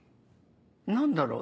何だろう？